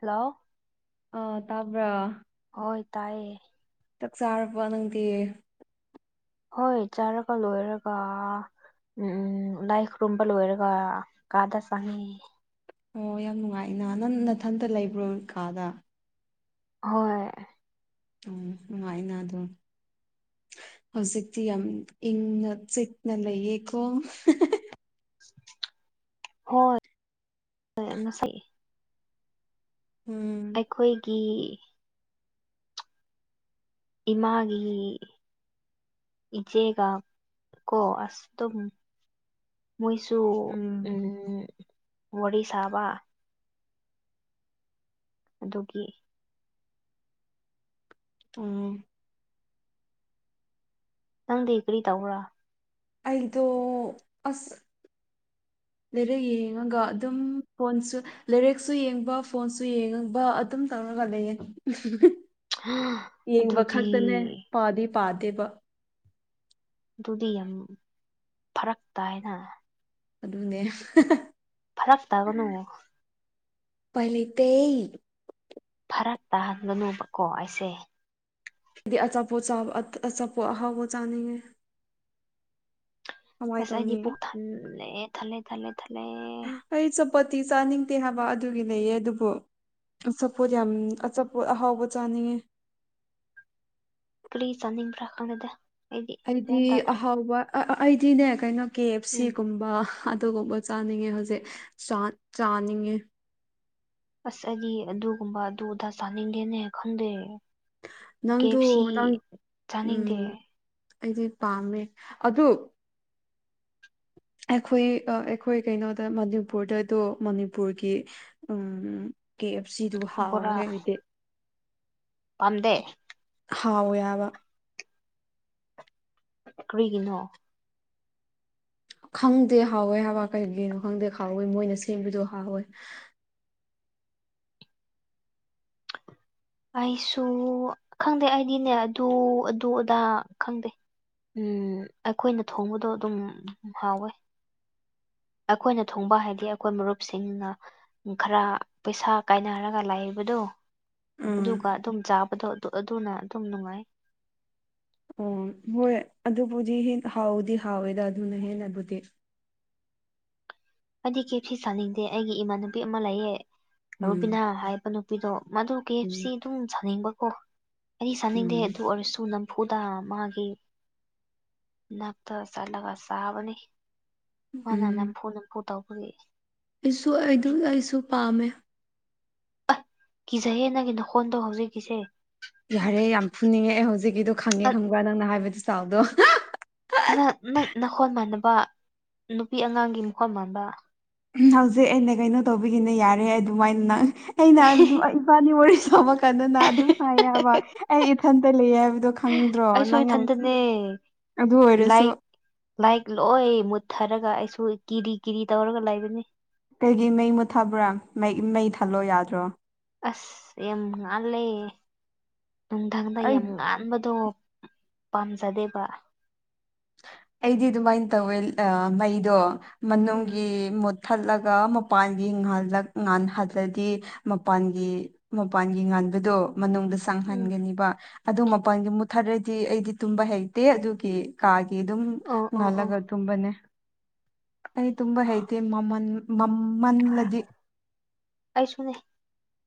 Hello ꯑ ꯇꯥꯕ꯭ꯔꯥ ꯍꯣꯏ ꯇꯥꯏꯌꯦ ꯆꯥꯛ ꯆꯥꯔꯕ ꯅꯪꯗꯤ ꯍꯣꯏ ꯆꯥꯔꯒ ꯂꯣꯏꯔꯒ ꯎ ꯂꯏꯈ ꯔꯨꯨꯝꯕ ꯂ ꯑꯣꯏꯔꯒ ꯀꯥꯗ ꯆꯉ ꯑꯣ ꯌꯥꯝ ꯅꯨꯡꯉꯥꯏꯅ ꯅꯪ ꯅꯊꯟꯇ ꯂꯩꯕ꯭ꯔꯣ ꯀꯥꯗ ꯍꯣꯏ ꯎ ꯅꯨꯡꯉꯥꯏꯅ ꯑꯗꯨꯝ ꯍꯧꯖꯤꯛꯇꯤ ꯌꯥꯝ ꯏꯪꯅ ꯆꯤꯛꯅ ꯂꯩꯌꯦꯀꯣ ꯍꯣꯏ ꯍ ꯉꯁ ꯎꯝ ꯑꯩꯈꯣꯏꯒꯤ ꯏꯃꯥꯒꯤ ꯏꯆꯦꯒ ꯀꯣ ꯑꯁ ꯑꯗꯨ ꯃꯣꯏꯁꯨ ꯎꯝ ꯋꯥꯔꯤ ꯁꯥꯕ ꯑꯗꯨꯒꯤ ꯎꯝ ꯅꯪꯗꯤ ꯀꯔꯤ ꯇꯧꯕ꯭ꯔꯥ ꯑꯩꯗꯣ ꯑꯁ [inaudible] ꯂꯩꯔꯦ ꯌꯦꯡꯉꯒ ꯑꯗꯨꯝ ꯐꯣꯟꯁꯨ ꯂꯥꯏꯔꯤꯛꯁꯨ ꯌꯦꯡꯕ ꯐꯣꯟꯁꯨ ꯌꯦꯡꯕ ꯑꯗꯨꯝ ꯇꯧꯔꯒ ꯂꯩꯌꯦꯦ ꯌꯦꯡꯕ ꯑꯗꯨꯗꯤ ꯈꯛꯇꯅꯦ ꯄꯥꯗꯤ ꯄꯥꯗꯦꯕ ꯑꯗꯨꯗꯤ ꯌꯥꯝ ꯐꯔꯛ ꯇꯥꯏꯅ ꯑꯗꯨꯅꯦ ꯐꯔꯛ ꯇꯥꯕꯅꯨꯉꯣ ꯄꯂꯤꯇꯩ ꯐꯔꯛ ꯇꯥꯍꯟꯒꯅꯨꯕꯀꯣ ꯑꯩꯁꯦ ꯍꯥꯏꯗꯤ ꯑꯆꯥꯄꯣꯠ ꯑꯆꯥꯄꯣ ꯑꯍꯥꯎꯕꯣ ꯆꯥꯅꯤꯡꯉꯦ ꯀꯃꯥꯏ ꯑꯁ ꯑꯩꯗꯤ ꯇꯧꯅꯤ ꯄꯣꯛ ꯊꯜꯂꯦ ꯊꯜꯂꯦ ꯊꯜꯂꯦ ꯊꯜꯂꯦ ꯑꯩ ꯆꯄꯠꯇꯤ ꯆꯥꯅꯤꯡꯗꯦ ꯍꯥꯏꯕ ꯑꯗꯨꯒꯤ ꯂꯩꯌꯦ ꯑꯗꯨꯕꯨ ꯑꯆꯥꯄꯣꯠ ꯌꯥꯝ ꯑꯆꯥꯄꯣꯠ ꯑꯍꯥꯎꯕ ꯆꯥꯅꯤꯡꯉꯦ ꯀꯔꯤ ꯆꯥꯅꯤꯡꯕ꯭ꯔꯥ ꯈꯪꯅꯗ ꯑꯩꯗꯤ ꯑꯍꯥꯎꯕ ꯑꯩꯗꯤꯅꯦ ꯀꯩꯅꯣ ꯀꯦ ꯑꯦꯐ ꯎꯝ ꯁꯤꯒꯨꯝꯕ ꯑꯗꯨꯒꯨꯝꯕ ꯆꯥꯅꯤꯡꯉꯦ ꯍꯧꯖꯤꯛ ꯆꯥꯅꯤꯡꯉꯦ ꯑꯁ ꯑꯩꯗꯤ ꯑꯗꯨꯒꯨꯝꯕ ꯑꯗꯨꯗ ꯆꯥꯅꯤꯡꯗꯦꯅꯦ ꯈꯪꯗꯣꯏ ꯀꯦꯞ ꯅꯪꯗꯨ ꯁꯤ ꯅꯪ ꯆꯥꯅꯤꯡꯗꯦ ꯎꯝ ꯑꯩꯗꯤ ꯄꯥꯝꯃꯦ ꯑꯗꯨ ꯑꯩꯈꯣꯏ ꯑꯩꯈꯣꯏ ꯀꯩꯅꯣꯗ ꯃꯅꯤꯄꯨꯔꯗꯗꯣ ꯃꯅꯤꯄꯨꯔꯒꯤ ꯀꯦꯞ ꯁꯤꯗꯨ ꯍꯥꯎꯋꯦ ꯍꯥꯏꯗꯤ ꯄꯟꯗꯦ ꯍꯥꯎ ꯌꯥꯕ ꯀꯔꯤꯒꯅꯣ ꯈꯪꯗꯦ ꯍꯥꯎꯋꯦ ꯍꯕ ꯀꯩꯒꯤꯅꯣ ꯈꯪꯗꯦ ꯍꯥꯎꯋꯦ ꯃꯣꯏꯅ ꯁꯦꯝꯕꯗꯣ ꯍꯥꯎꯋꯦ ꯑꯩꯁꯨ ꯈꯪꯗꯦ ꯑꯩꯗꯤꯅꯦ ꯑꯗꯨ ꯑꯗꯨ ꯑꯗꯥ ꯈꯪꯗꯦ ꯎꯝ ꯑꯩꯈꯣꯏꯅ ꯊꯣꯡꯕꯗꯣ ꯑꯗꯨꯝ ꯍꯥꯎꯋꯦ ꯑꯩꯈꯣꯏꯅ ꯊꯣꯡꯕ ꯍꯥꯏꯗꯤ ꯑꯩꯈꯣꯏ ꯃꯔꯨꯞꯁꯤꯡꯅ ꯈꯔ ꯄꯩꯁꯥ ꯀꯥꯏꯅꯔꯒ ꯂꯥꯛꯏꯕꯗꯣ ꯎꯝ ꯑꯗꯨꯒ ꯑꯗꯨꯝ ꯆꯥꯕꯗꯣ ꯑꯗꯨꯅ ꯑꯗꯨꯝ ꯅꯨꯡꯉꯥꯏ ꯑꯣ ꯍꯣꯏ ꯑꯗꯨꯕꯨꯗꯤ ꯍ ꯍꯥꯎꯗꯤ ꯍꯥꯎꯋꯦꯗ ꯑꯗꯨꯅ ꯍꯦꯟꯅꯕꯨꯗꯤ ꯑꯩꯗꯤ ꯀꯦꯞꯁꯤ ꯆꯥꯅꯤꯡꯗꯦ ꯑꯩꯒꯤ ꯏꯃꯥꯟꯅꯨꯄꯤ ꯑꯃ ꯂꯩꯌꯦ ꯎꯝ ꯔꯨꯕꯤꯅꯥ ꯍꯥꯏꯕ ꯅꯨꯄꯤꯗꯣ ꯃꯗꯨ ꯀꯦ ꯁꯤ ꯎꯝ ꯑꯗꯨꯝ ꯁꯥꯅꯤꯡꯕꯀꯣ ꯑꯩ ꯆꯥꯅꯤꯡꯗꯦ ꯎꯝ ꯑꯗꯨ ꯑꯣꯏꯔꯁꯨ ꯅꯪ ꯆꯝꯐꯨꯗ ꯃꯥꯒꯤ ꯅꯛꯇ ꯆꯠꯂꯒ ꯆꯥꯕꯅꯤ ꯃꯥꯅ ꯎꯝ ꯅꯝꯐꯨ ꯅꯝꯐꯨ ꯇꯧꯕꯒꯤ ꯑꯩꯁꯨ ꯑꯩ ꯑꯩꯁꯨ ꯄꯥꯝꯃꯦ ꯀꯤꯖꯍꯦ ꯅꯪꯒꯤ ꯅ ꯍꯣꯟꯗꯣ ꯍꯧꯖꯤꯛꯀꯤꯁꯦ ꯌꯥꯔꯦ ꯌꯥꯝ ꯐꯨꯅꯤꯡꯉꯦ ꯑꯦ ꯍꯧꯖꯤꯛꯀꯤꯗꯣ ꯈꯪꯉꯦ ꯈꯪꯕ꯭ꯔꯥ ꯅꯪꯅ ꯍꯥꯏꯕꯗꯨ ꯆꯥꯎꯗꯣ ꯅ ꯅꯪ ꯅꯈꯣꯟ ꯃꯥꯟꯅꯕ ꯅꯨꯄꯤ ꯑꯉꯥꯡꯒꯤ ꯃꯈꯣꯠ ꯃꯥꯟꯕ ꯍꯧꯖꯤꯛ ꯑꯩꯅ ꯀꯩꯅꯣ ꯇꯧꯕꯤꯒꯤꯅ ꯌꯥꯔꯦ ꯑꯗꯨꯃꯥꯏꯅ ꯅꯪ ꯑꯩꯅ ꯏꯄꯥꯅꯤ ꯋꯥꯔꯤ ꯁꯥꯕ ꯀꯅ ꯑꯗꯨꯝ ꯍꯥꯏꯕ ꯑꯩ ꯏꯊꯟꯇ ꯂꯩ ꯍꯥꯏꯕꯗ ꯈꯪꯗ꯭ꯔꯣ ꯑꯩꯁꯨ ꯅꯪ ꯌꯥꯝ ꯏꯊꯟꯇꯅꯦ ꯑꯗꯨ ꯑꯣꯏꯔꯁꯨ ꯂꯥꯏꯛ ꯂꯥꯏꯛ ꯂꯣꯏ ꯃꯨꯠꯊꯔꯒ ꯑꯩꯁꯨ ꯀꯤꯔꯤ ꯀꯤꯔꯤ ꯇꯧꯔꯒ ꯂꯩꯕꯅꯤ ꯀꯩꯒꯤ ꯃꯩ ꯃꯨꯠꯊꯕ꯭ꯔꯥ ꯃꯩ ꯊꯜꯂꯣ ꯌꯥꯗ꯭ꯔꯣ ꯑꯁ ꯌꯥꯝ ꯉꯥꯜꯂꯦ ꯅꯨꯡꯊꯪꯗ ꯑꯩ ꯌꯥꯝ ꯉꯥꯟꯕꯗꯣ ꯄꯥꯝꯖꯗꯦꯕ ꯑꯩꯗꯤ ꯑꯗꯨꯃꯥꯏꯅ ꯇꯧꯋꯦ ꯃꯩꯗꯣ ꯎꯝ ꯃꯅꯨꯡꯒꯤ ꯊꯠꯂꯒ ꯃꯄꯥꯟꯒꯤꯍꯜꯂꯛ ꯉꯥꯜꯍꯜꯂꯗꯤ ꯃꯄꯥꯟꯒꯤ ꯃꯄꯥꯟꯒꯤ ꯉꯥꯟꯕꯗꯣ ꯃꯅꯨꯡꯗ ꯎꯝ ꯆꯪꯍꯟꯒꯅꯤꯕ ꯑꯗꯨ ꯃꯄꯜꯒꯤ ꯃꯨꯠꯊꯠꯔꯗꯤ ꯑꯩꯗꯤ ꯇꯨꯝꯕ ꯍꯩꯇꯦ ꯑꯗꯨꯒꯤ ꯀꯒꯤ ꯑꯗꯨꯝ ꯑꯣ ꯑꯣ ꯑꯣ ꯅꯂꯒ ꯇꯨꯝꯕꯅꯦ ꯑꯩ ꯇꯨꯝꯕ ꯍꯩꯇꯦ ꯃꯃꯜ ꯃꯃꯜꯂꯗꯤ ꯑꯩꯁꯨꯅꯦ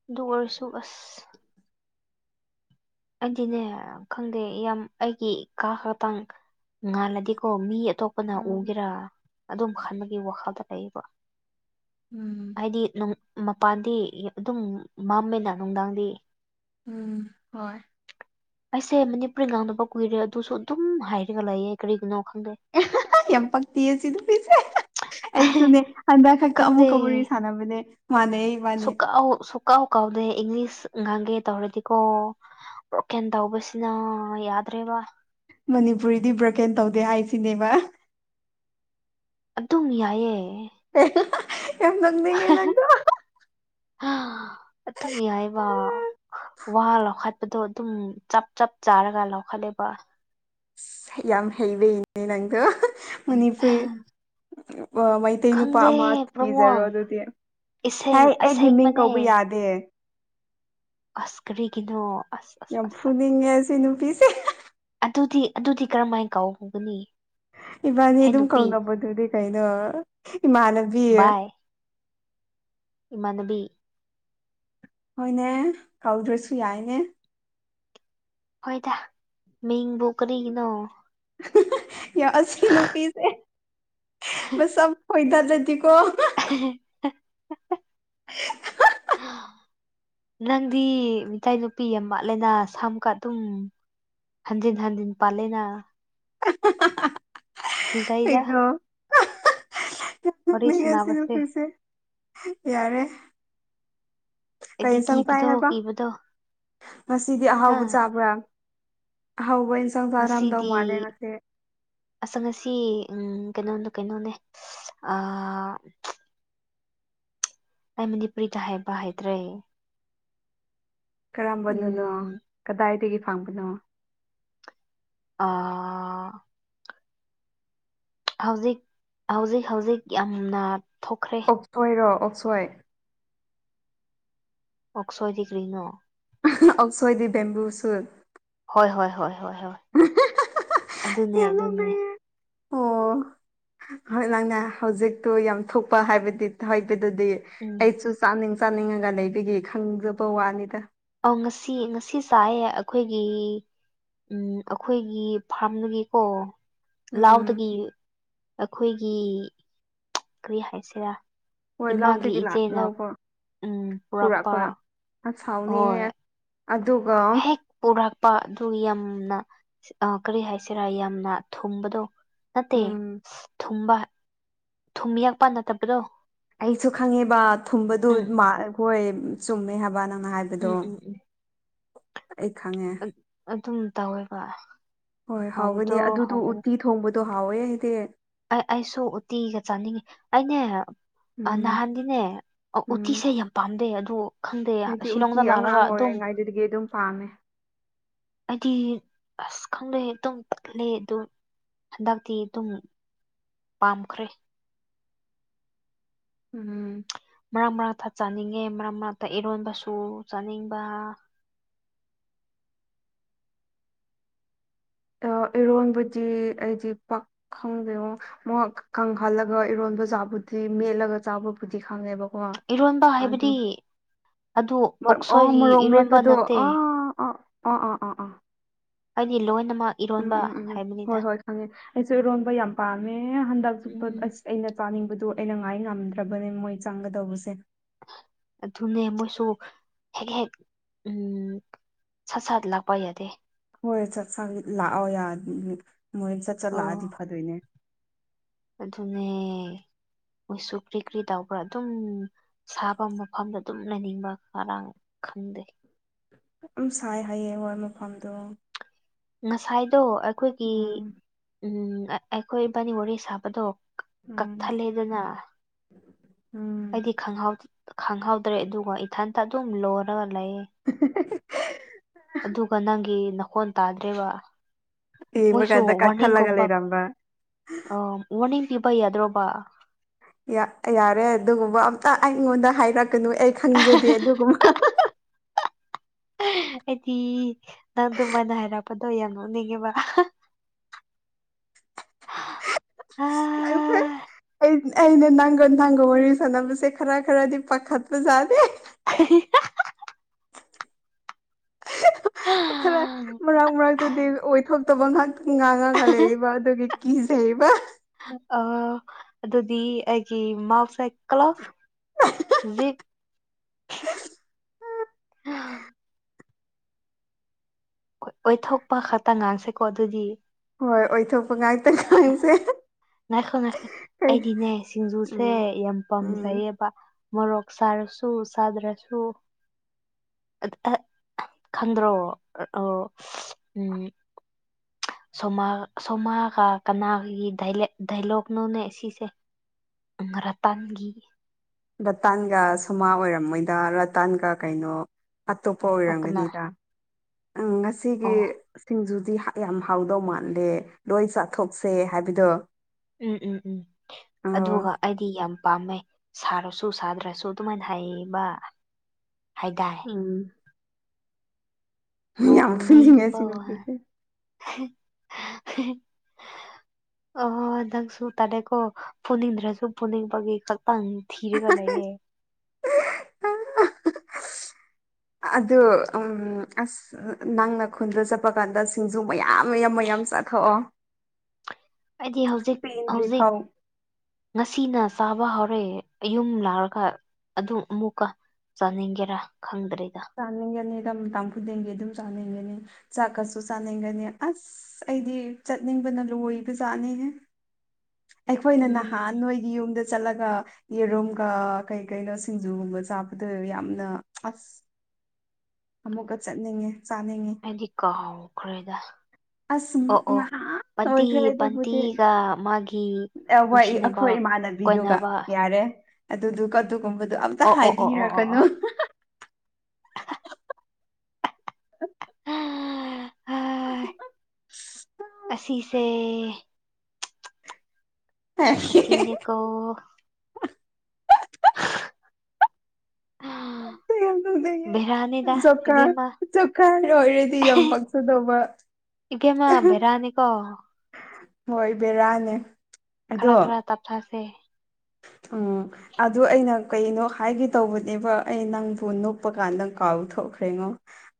ꯑꯗꯨ ꯑꯣꯏꯔꯁꯨ ꯑꯁ ꯑꯩꯗꯤꯅꯦ ꯈꯪꯗꯦ ꯌꯥꯝ ꯑꯩꯒꯤ ꯀꯥ ꯈꯇꯥꯡ ꯉꯥꯜꯂꯗꯤꯀꯣ ꯃꯤ ꯑꯇꯣꯞꯄꯅ ꯎꯝ ꯎꯒꯦꯔꯥ ꯑꯗꯨꯝ ꯈꯟꯕꯒꯤ ꯋꯥꯈꯜꯗ ꯂꯩꯌꯦꯕ ꯎꯝ ꯍꯥꯏꯗꯤ ꯃꯄꯥꯟꯗꯤ ꯑꯗꯨꯝ ꯃꯝꯃꯦꯅ ꯅꯨꯡꯗꯥꯡꯗꯤ ꯎꯝ ꯍꯣꯏ ꯑꯩꯁꯦ ꯃꯅꯤꯄꯨꯔꯤ ꯉꯥꯡꯅꯕ ꯀꯨꯏꯔꯦ ꯑꯗꯨꯁꯨ ꯑꯗꯨꯝ ꯍꯥꯏꯔꯒ ꯂꯩꯌꯦ ꯀꯔꯤꯒꯤꯅꯣ ꯈꯪꯗꯦ ꯌꯥꯝ ꯄꯛꯇꯤ ꯁꯤ ꯑꯗꯨ ꯄꯤꯁꯦ ꯑꯩꯁꯨꯅꯦ ꯍꯟꯗꯛ ꯈꯛꯇ ꯈꯪꯗꯦ ꯑꯃꯨꯛꯀ ꯋꯥꯔꯤꯔꯤ ꯁꯥꯟꯅꯕꯅꯦ ꯃꯥꯅꯦ ꯏꯕꯥꯅꯤ ꯁꯨꯀꯥꯎ ꯁꯨꯀꯥꯎꯥꯎ ꯀꯥꯎꯗꯦ ꯏꯪꯂꯤꯁ ꯉꯥꯡꯒꯦ ꯇꯧꯔꯦꯗꯤꯀꯣ ꯑꯣ ꯀ ꯇ ꯑꯣꯕꯁꯅ ꯌꯥꯗ꯭ꯔꯔꯤ ꯋꯥ ꯃꯅꯤꯄꯨꯔꯤꯗꯤ ꯕ꯭ꯔꯣꯀꯦꯟ ꯇꯧꯗꯦ ꯍꯥꯏꯁꯤꯅꯦꯕ ꯑꯗꯨꯝ ꯌꯥꯏꯑꯦ ꯅꯪꯅꯤ ꯀꯩ ꯅꯪꯗ ꯑ ꯇꯃꯤ ꯍꯥꯏꯏꯕ ꯋꯥ ꯂꯈ ꯗꯣ ꯑꯗꯨꯝ ꯆꯞ ꯆꯞ ꯆꯥꯔꯒ ꯂꯧꯈꯠꯂꯦꯕ ꯌꯥꯝ ꯍꯩꯕ ꯅ ꯅꯪꯗꯣ ꯃꯅꯤꯄꯨꯔꯤ ꯃ ꯑꯇꯩ ꯅꯨꯄꯥ ꯈꯪꯗꯦ ꯑꯃ ꯀꯤꯖꯔꯣ ꯄ꯭ꯔꯃꯣꯡ ꯑꯗꯨꯗꯤ ꯏꯁꯦꯡ ꯍꯥꯏ ꯑꯩꯒꯤ ꯃꯤꯡ ꯑꯁꯦꯡꯕꯅꯦ ꯀꯧꯕ ꯌꯥꯗꯦ ꯑꯁꯀꯔꯤ ꯀꯅꯣ ꯑꯁ ꯑꯁ ꯌꯥꯝ ꯑꯁ ꯑ ꯐꯨꯅꯤꯡꯉꯦ ꯁꯤ ꯅꯨꯄꯤꯁꯦ ꯑꯗꯨꯗꯤ ꯑꯗꯨꯗꯤ ꯀꯔꯝꯍꯥꯏ ꯀꯥꯎꯍꯧꯒꯅꯤ ꯏꯕꯥꯅꯤ ꯑꯗꯨꯝ ꯀꯧꯅꯕꯗꯨꯗꯤ ꯀꯩꯅꯣ ꯏꯃꯥꯟꯅꯕꯤ ꯏꯃꯅꯗꯤ ꯍꯣꯏꯅꯦ ꯀꯧꯗ꯭ꯔꯁꯨ ꯌꯥꯏꯅꯦ ꯍꯣꯏꯗ ꯃꯤꯡꯕꯨ ꯀꯔꯤꯒꯤꯅꯣ ꯌꯥꯝ ꯑꯁꯤ ꯅꯨꯄꯤꯁꯦ ꯃꯁꯥ ꯈꯣꯏꯊꯖꯗꯤꯀꯣ [inaudible] ꯅꯪꯗꯤ ꯃꯤꯇꯩꯇꯩ ꯅꯨꯄꯤ ꯑꯃ ꯃꯥꯠꯂꯦꯅ ꯁꯝꯨꯀ ꯑꯗꯨꯝ ꯍꯟꯖꯤꯟ ꯍꯟꯖꯤꯟ ꯄꯥꯂꯦꯅ [inaudible] ꯀ ꯆꯩꯗ ꯀꯩꯅꯣ ꯃꯤ ꯉ ꯁꯥꯟꯅꯕꯁꯦ ꯑꯁꯤꯅꯈꯣꯏꯁꯦ ꯌꯥꯔꯦ [inaudible] ꯑꯩꯗꯤ ꯀꯔꯤ ꯆꯪꯀꯥꯏ ꯀꯤꯕꯗꯣ ꯍꯥꯏꯕ ꯀꯤꯕꯗꯣ ꯉꯁꯤꯗꯤ ꯍꯥ ꯑꯍꯥꯎꯕ ꯆꯥꯕ꯭ꯔꯥ ꯍꯥꯎꯕ ꯏꯟꯁꯥꯡꯁ ꯑꯔꯝꯗꯧ ꯉꯁꯤꯗꯤ ꯃꯥꯂꯦ ꯉꯁꯦ ꯑꯁ ꯉꯁꯤ ꯀꯩꯅꯣꯗ ꯀꯩꯅꯣꯅꯦ ꯑꯩ ꯃꯅꯤꯄꯨꯔꯤꯗ ꯍꯥꯏꯕ ꯍꯥꯏꯇ꯭ꯔꯦ ꯀꯔꯝꯕꯅꯅꯣ ꯎꯝ ꯀꯗꯥꯏꯗꯒꯤ ꯐꯪꯕꯅꯣ ꯑ ꯍꯧꯖꯤꯛ ꯍꯧꯖꯤꯛ ꯍꯧꯖꯤꯛ ꯌꯥꯝꯅ ꯊꯣꯛꯈ꯭ꯔꯦ ꯑꯣꯛꯁꯣꯏꯔꯣ ꯑꯣꯛꯁꯣꯏ ꯑꯣꯛꯁꯣꯏꯗꯤ ꯀꯔꯤꯅꯣ ꯑꯧꯁꯣꯢꯗꯤ ꯕꯦꯝꯕꯨꯁꯨꯠ ꯍꯣꯏ ꯍꯣꯏ ꯍꯣꯏ ꯍꯣꯏ ꯍꯣꯏ ꯑꯗꯨꯅꯦ ꯌꯥꯝ ꯑꯗꯨꯅꯦ ꯅꯣꯛꯅꯤꯡꯉꯦ ꯑꯣ ꯍꯣꯏ ꯅꯪꯅꯦ ꯍꯧꯖꯤꯛꯇꯣ ꯌꯥꯝ ꯊꯣꯛꯄ ꯍꯥꯏꯕꯗꯤ ꯍꯥꯏꯕꯗꯨꯗꯤ ꯎꯝ ꯑꯩꯁꯨ ꯆꯥꯅꯤꯡ ꯆꯥꯅꯤꯡꯉꯒ ꯂꯩꯕꯒꯤ ꯈꯪꯖꯕ ꯋꯥꯅꯤꯗ ꯑꯧ ꯉꯁꯤ ꯉꯁꯤ ꯆꯥꯏꯑꯦ ꯑꯩꯈꯣꯏꯒꯤ ꯎꯝ ꯑꯩꯈꯣꯏꯒꯤ ꯐꯥꯔꯝꯗꯨꯒꯤꯀꯣ ꯎꯝ ꯂꯥꯎꯗꯒꯤ ꯑꯩꯈꯣꯏꯒꯤ ꯀ꯭ꯔꯤ ꯍꯥꯏꯁꯤꯔꯥ ꯍꯣꯏ ꯏꯃꯥꯒꯤ ꯂꯧꯗꯒꯤ ꯂꯥꯛ ꯏꯆꯦꯅ ꯂꯧꯕ ꯄꯨꯔꯛꯄ ꯑ ꯍꯥꯎꯅꯤꯍꯦ ꯑꯗꯨꯒ ꯄꯨꯔꯛꯥꯛꯄ ꯑꯗꯨ ꯌꯥꯝꯅ ꯀꯔꯤ ꯍꯥꯏꯁꯤꯔꯥ ꯌꯥꯝꯅ ꯊꯨꯝꯕꯗꯣ ꯅꯠꯇꯦ ꯎꯝ ꯑ ꯊꯨꯝꯕ ꯊꯨꯝ ꯌꯥꯛꯄ ꯅꯠꯇꯕꯗꯣ ꯑꯩꯁꯨ ꯈꯪꯉꯦꯕ ꯊꯨꯝꯕꯗꯨ ꯎꯝ ꯍꯈꯣꯏ ꯆꯨꯝꯃꯦ ꯍꯥꯏꯕ ꯅꯪꯅ ꯍꯥꯏꯕꯗꯣ ꯎꯝ ꯎꯝ ꯎꯝ ꯑꯩ ꯈꯉꯦ ꯎꯝ ꯑꯗꯨꯝ ꯇꯧꯋꯦꯕ ꯍꯣꯏ ꯍꯥꯎꯕꯗꯣ ꯍꯥꯎꯒꯅꯤ ꯑꯗꯨꯗꯣ ꯍꯥꯎꯕꯗꯣ ꯎꯇꯤ ꯊꯣꯡꯕꯗꯣ ꯍꯥꯎꯋꯦ ꯍꯥꯏꯗꯤ ꯑꯩꯁꯨ ꯎꯇꯤꯒ ꯆꯥꯅꯤꯡꯉꯤ ꯑꯅꯦ ꯎꯝ ꯅꯍꯥꯟꯗꯤꯅꯦ ꯎꯝ ꯎꯇꯤꯤꯁꯦ ꯌꯥꯝ ꯄꯥꯝꯗꯩ ꯑꯗꯣ ꯈꯪꯗꯦ ꯑꯩꯗꯤ ꯎꯇꯤ ꯁꯤꯂꯣꯡꯗ ꯂꯥꯜꯂꯒ ꯑꯉꯥꯡ ꯑꯗꯨꯝ ꯑꯣꯏꯔꯤꯉꯩꯗꯨꯗꯒꯤ ꯑꯗꯨꯝ ꯄꯥꯝꯃꯦ ꯍꯥꯏꯗꯤ ꯑꯁ ꯈꯪꯗꯩ ꯑꯇꯨꯝ ꯄꯠꯂꯦ ꯑꯗꯨ ꯍꯟꯗꯛꯛꯇꯤ ꯑꯗꯨꯨꯝ ꯄꯥꯝꯈ꯭ꯔꯦ ꯎꯝ ꯃꯔꯛ ꯃꯔꯛꯇ ꯆꯥꯅꯤꯡꯉꯦ ꯃꯔꯛ ꯃꯔꯛꯇ ꯏꯔꯣꯟꯕꯁꯨ ꯆꯥꯅꯤꯡꯕ ꯏꯔꯣꯟꯕꯗꯤ ꯑꯩ ꯄꯥꯛ ꯈꯪꯗꯦ ꯑꯣꯉꯣ ꯃ ꯀꯪꯍꯜꯂꯒ ꯏꯔꯣꯟꯕ ꯆꯥꯕꯨꯗꯤ ꯃꯦꯠꯂꯒ ꯆꯥꯕꯕꯨꯗꯤ ꯈꯪꯉꯦꯕ ꯏꯔꯣꯟꯕ ꯍꯥꯏꯕꯗꯤ ꯑꯗꯨ ꯑꯣ ꯑꯣꯛꯁꯣꯏꯒꯤ ꯃꯣꯔꯣꯛ ꯏꯔꯣꯟꯕ ꯃꯦꯛꯄꯗꯣ ꯅꯠꯇꯦ ꯑꯥ ꯑꯥ ꯑꯥ ꯑꯥ ꯑꯥ ꯑꯥ ꯑꯩꯗꯤ ꯂꯣꯏꯅꯃꯛ ꯏꯔꯣꯟꯕ ꯍꯥꯏꯕꯅꯤꯗ ꯍꯪꯉꯦ ꯑꯩꯁꯨ ꯏꯔꯣꯟꯕ ꯌꯥꯝ ꯄꯥꯝꯃꯦ ꯍꯟꯗꯛ ꯆꯨꯞꯄ ꯎꯝ ꯑꯁ ꯑꯩꯅ ꯆꯥꯅꯤꯡꯕꯗꯨ ꯑꯩꯅ ꯉꯥꯏ ꯉꯝꯗ꯭ꯔꯕꯅꯦ ꯃꯣꯏ ꯆꯪꯒꯗꯧꯕꯁꯦ ꯑꯗꯨꯅꯦ ꯃꯣꯏꯁꯨ ꯍꯦꯛ ꯍꯦꯛ ꯎꯝ ꯁꯠ ꯁꯥꯠ ꯂꯥꯛꯄꯥ ꯌꯥꯗꯦ ꯍꯣꯏ ꯆꯥꯛ ꯆ ꯂꯥꯛꯑꯣ ꯌꯥ ꯃꯣꯏ ꯆꯠ ꯑꯣ ꯆꯠꯂꯥꯛꯑꯗꯤ ꯐꯗꯣꯏꯅꯦ ꯑꯗꯨꯅꯦ ꯃꯣꯏꯁꯨ ꯀ꯭ꯔꯤ ꯀ꯭ꯔꯤ ꯇꯧꯕ꯭ꯔꯥ ꯑꯗꯨꯝ ꯁꯥꯐꯝ ꯃꯐꯝꯗ ꯑꯗꯨꯝ ꯂꯩꯅꯤꯡꯕ ꯃꯔꯥꯡ ꯈꯪꯗꯦ ꯑꯗꯨꯝ ꯁꯥꯏ ꯍꯌꯦ ꯃꯣꯏ ꯃꯐꯝꯗꯣ ꯉꯁꯥꯏꯗꯣ ꯑꯩꯈꯣꯏꯒꯤ ꯎꯝ ꯎꯝ ꯑꯩꯈꯣꯏ ꯏꯕꯥꯅꯤ ꯋꯥꯔꯤ ꯁꯥꯕꯗꯣ ꯎꯝ ꯀꯛꯊꯠꯂꯦꯗꯅ ꯎꯝ ꯑꯩꯗꯤ ꯈꯪꯍꯧꯎꯗ꯭ꯔꯦ ꯑꯗꯨꯒ ꯏꯊꯟꯇ ꯑꯗꯨꯝ ꯂꯣꯟ ꯈꯔ ꯂꯩ ꯑꯗꯨꯒ ꯅꯪꯒꯤ ꯅꯈꯣꯟ ꯇꯥꯗ꯭ꯔꯦꯕ ꯌꯦꯡꯕ ꯃꯣꯏꯁꯨ ꯀꯥꯟꯗ ꯀꯛꯊꯠꯂꯒ ꯋꯥꯔꯅꯤꯡꯒꯨꯝꯕ ꯂꯩꯔꯝꯕ ꯋꯥꯔꯅꯤꯡ ꯄꯤꯕ ꯌꯥꯗ꯭ꯔꯣꯕ ꯌꯥꯔꯦ ꯑꯗꯨꯒꯨꯝꯕ ꯑꯝꯇ ꯑꯩꯉꯣꯟꯗ ꯍꯥꯏꯔꯛꯀꯅꯨ ꯑꯩ ꯈꯪꯖꯗꯦ ꯑꯗꯨꯒꯨꯝꯕ ꯑꯩꯗꯤ ꯅꯪ ꯗꯨꯃꯥꯏꯅ ꯍꯥꯏꯔꯞ ꯄꯗꯣ ꯌꯥꯝ ꯅꯣꯛꯅꯤꯡꯉꯦꯕ ꯍꯥ ꯍ ꯍꯥ ꯂꯥꯏꯕꯛ ꯐꯔꯦ ꯑꯩꯅ ꯅꯥꯡꯒꯜ ꯅꯪꯒ ꯋꯥꯔꯤ ꯁꯥꯟꯅꯕꯁꯦ ꯈꯔ ꯈꯔꯗꯤ ꯄꯥꯈꯠꯄꯖꯥꯗꯦ [unintelligible] ꯈꯔ ꯃꯔꯛ ꯃꯔꯛꯇꯗꯤ ꯑꯣꯏꯊꯣꯛꯇ ꯑꯇꯣꯞ ꯄ ꯉꯥꯏꯍꯥꯛ ꯉꯥꯡꯉꯒ ꯂꯩꯌꯦꯕꯑꯗꯨꯒꯤ ꯀꯤꯖꯩꯕ ꯑ ꯑꯗꯨꯗꯤ ꯑꯩꯒꯤ ꯃꯥꯎꯁꯥꯏ ꯀ꯭ꯂꯐ [unintelligible] ꯑꯣꯏꯊꯣꯛꯄ ꯈꯛꯇ ꯉꯥꯡꯁꯦꯀꯣ ꯑꯗꯨꯗꯤ ꯍꯣꯏ ꯑꯣꯏꯊꯣꯛꯄ ꯉꯥꯛꯇ ꯈꯁꯦ ꯉꯥꯏꯈꯣ ꯉꯥꯏꯈ ꯑꯩꯗꯤꯅꯦ ꯁꯤꯡꯖꯨꯁꯦ ꯎꯝ ꯌꯥꯝ ꯎꯝ ꯄꯥꯝꯖꯩꯌꯦꯕ ꯃꯣꯔꯣꯛ ꯁꯥꯔꯁꯨ ꯁꯥꯗ꯭ꯔꯁꯨ ꯈꯪꯗ꯭ꯔꯣ ꯑ ꯎꯝ ꯁꯣꯃꯥ ꯁꯣꯃꯥꯒ ꯀꯅꯥꯒꯤ ꯗꯥꯏꯂꯣꯛꯅꯣꯅꯦ ꯁꯤꯁꯦ ꯉ꯭ꯔꯥꯇꯥꯟꯒꯤ꯫ ꯂꯥꯇꯥꯟꯒ ꯁꯣꯃꯥ ꯑꯣꯏꯔꯝꯃꯣꯏꯗ ꯔꯇꯥꯟꯒ ꯀꯩꯅꯣ ꯑꯇꯣꯞꯄ ꯑꯣ ꯀꯅꯥ ꯑꯣꯏꯔꯝꯒꯅꯤꯗ꯫ ꯎꯝ ꯉꯁꯤꯒꯤ꯫ ꯑꯣ ꯁꯤꯡꯖꯨꯗꯤ ꯌꯥꯝ ꯍꯥꯎꯗꯧ ꯃꯥꯟꯗ‌ꯦ ꯂꯣꯏ ꯆꯥꯊꯣꯛꯁꯦ ꯍꯥꯏꯕꯗꯣ꯫ ꯎꯝ ꯎꯝ ꯎꯝ ꯑꯣ ꯑꯗꯨꯒ꯫ ꯑꯩꯗꯤ ꯌꯥꯝ ꯄꯥꯝꯃꯦ ꯁꯥꯔꯁꯨ ꯁꯥꯗ꯭ꯔꯁꯨ ꯑꯗꯨꯃꯥꯏꯅ ꯍꯥꯏꯌ‌ꯦꯕ ꯍꯥꯏꯇꯥꯏ꯫ ꯎꯝ꯫ ꯌꯥꯝ ꯐꯨꯅꯤꯡꯉ‌ꯦ ꯅꯣꯛꯅꯤꯡꯕ ꯑꯁꯤ ꯅꯨꯄꯤꯁꯤ꯫ [unintelligible] [unintelligible] ꯑꯣ ꯅꯪꯁꯨꯨ ꯇꯔꯦꯀꯣ ꯐꯨꯅꯤꯡꯗ꯭ꯔꯁꯨ ꯐꯨꯅꯤꯡꯕꯒꯤ ꯈꯛ ꯑ ꯊꯤꯔꯒ ꯂꯩꯌꯦ ꯑꯗꯨ ꯎ ꯑꯁ ꯅꯪꯅ ꯈꯨꯟꯗ ꯆꯠꯄ ꯀꯥꯟꯗ ꯁꯤꯡꯖꯨ ꯃꯌꯥꯝ ꯃꯌꯥꯝ ꯃꯌꯥꯝ ꯆꯥꯊꯣꯛꯑꯣ ꯑꯩꯗꯤ ꯍꯧꯖꯤꯛ ꯍꯧꯖꯤꯛ ꯄꯦꯟꯗ꯭ꯔꯤꯐꯥꯎ ꯉꯁꯤꯅ ꯆꯥꯕ ꯍꯧꯔꯛꯑꯦ ꯌꯨꯝ ꯂꯥꯛꯔꯒ ꯑꯗꯨ ꯑꯃꯨꯛꯀ ꯆꯥꯅꯤꯡꯒꯦꯔꯥ ꯈꯪꯗ꯭ꯔꯗ ꯆꯥꯅꯤꯡꯒꯅꯤ ꯗ ꯇꯝ ꯈꯨꯗꯤꯡꯒꯤ ꯑꯗꯨꯝ ꯆꯥꯅꯤꯡꯒꯅꯤ ꯆꯥꯛꯀꯠꯁꯨ ꯆꯥꯅꯤꯡꯒꯅꯤ ꯑꯁ꯫ ꯑꯁ ꯑꯩꯗꯤ ꯆꯠꯅꯤꯡꯕꯅ ꯂꯣꯏꯕꯖꯥꯠꯅꯤꯍꯦ꯫ ꯑꯩꯈꯣꯏꯅ ꯅꯍꯥꯟ ꯎꯝ ꯅꯣꯏꯒꯤ ꯌꯨꯝꯗ ꯆꯠꯂꯒ꯫ ꯌꯦꯔꯨꯝꯒ ꯀꯩ ꯀꯩꯅꯣ ꯁꯤꯡꯖꯨꯒꯨꯝꯕ ꯆꯥꯕꯗ ꯌꯥꯝꯅ ꯑꯁ꯫ ꯑꯃꯨꯛꯀ ꯆꯠꯅꯤꯡꯉꯦ ꯆꯥꯅꯤꯡꯉꯦ꯫ ꯑꯩꯗꯤ ꯀꯥꯎꯈ꯭ꯔꯦꯗ꯫ ꯑꯁ ꯑꯣ ꯑꯣ ꯉꯍꯥꯟ ꯄꯇꯤ ꯄꯇꯤꯒ ꯃꯥꯒꯤ꯫ ꯋꯥꯏ ꯅꯨꯡꯁꯤꯅꯕ ꯑꯈꯣꯏ ꯏꯃꯥꯟꯅꯕꯤꯗꯨꯒ ꯀꯣꯏꯅꯕ ꯌꯥꯔꯦ ꯑꯗꯨꯗꯨꯒ꯫ ꯕꯗꯣ ꯑꯝꯇ ꯑꯣ ꯑꯣ ꯑꯣ ꯑꯣ ꯍꯥꯏꯕꯤꯔꯛꯀꯅꯨ꯫ ꯑꯣ [unintelligible] ꯑ ꯍꯥ ꯑꯁꯤꯁꯦ꯫ ꯑꯁꯤꯁꯤꯅꯦ ꯀꯣ꯫ ꯑꯥ꯫ ꯌꯥꯝ ꯅꫭꯛꯅꯤꯡꯉ‌ꯦ ꯖꯣꯀꯥꯔ ꯏꯕꯦꯝꯃ ꯖꯣꯀꯥꯔ ꯑꯣꯏꯔꯗꯤ ꯌꯥꯝ ꯄꯛꯆꯗꯧꯕ꯫ ꯏꯕꯦꯝꯃ ꯕꯦꯔꯥꯅꯤꯀꫭ꯫ ꯍꯣꯏ ꯕꯦꯔꯥꯅꯦ꯫ ꯈꯔ ꯈꯔ ꯇꯞꯊꯥꯁꯦ꯫ ꯎꯪ ꯑꯗꯨ ꯑꯩꯅ ꯀꯩꯅꯣ ꯍꯥꯏꯒꯦ ꯇꯧꯕꯅꯦꯕ ꯑꯩ ꯅꯪꯕꯨ ꯅꯣꯛꯄ ꯀꯥꯟꯗ ꯀꯥꯎꯊꯣꯛꯈ꯭ꯔꯦꯉꯣ꯫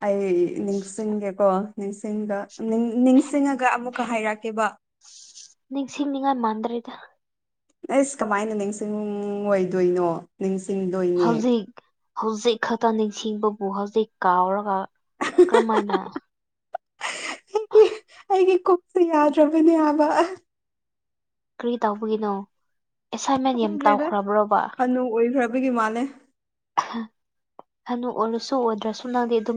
ꯑꯩ ꯅꯤꯡꯁꯤꯡꯒꯦꯀꯣ ꯅꯤꯡꯁꯤꯡꯕ ꯅꯤꯡꯁꯤꯡꯉꯒ ꯑꯃꯨꯛꯀ ꯍꯥꯏꯔꯛꯀꯦꯕ꯫ ꯅꯤꯡꯁꯤꯡꯅꯤꯉꯥꯏ ꯃꯥꯟꯗ꯭ꯔ‌ꯦꯗ꯫ ꯑꯁ ꯀꯃꯥꯏꯅ ꯅꯤꯡꯁꯤꯡꯉꫭꯏꯗꯣꯏꯅꯣ꯫ ꯅꯤꯡꯁꯤꯡꯗꯣꯏ꯫ ꯍꯧꯖꯤꯛ꯫ ꯍꯧꯖꯤꯛ ꯈꯛꯇ ꯅꯤꯡꯁꯤꯡꯕꯕꯨ ꯍꯧꯖꯤꯛ ꯀꯥꯎꯔꯒ ꯀꯔꯝꯃꯥꯏꯅ꯫ ꯑꯩꯒꯤ [unintelligible] ꯑꯩꯒꯤ ꯀꯣꯛꯁꯦ ꯌꯥꯗ꯭ꯔꯕꯅꯦ ꯍꯥꯏꯕ꯫ ꯀꯔꯤ ꯇꯧꯕꯒꯤꯅꯣ ꯑꯦꯁꯥꯏꯟꯃꯦꯟ ꯌꯥꯝ ꯇꯥꯎꯈ꯭ꯔꯕ꯭ꯔꯣꯕ꯫ ꯅꯨ ꯑꯣꯏꯈ꯭ꯔꯕꯒꯤ ꯃꯥꯜꯅꯦ꯫ ꯍꯅꯨ ꯑꯣꯏꯔꯁꯨ ꯑꯣꯗ꯭ꯔꯁꯨ ꯅꯪꯗꯤ ꯑꯗꯨꯝ꯫